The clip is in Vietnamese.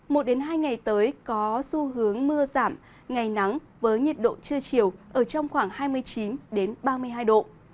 một hai ngày tới có xu hướng mưa giảm ngày nắng với nhiệt độ trưa chiều ở trong khoảng hai mươi chín ba mươi hai độ